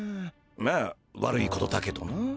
まあ悪いことだけどな。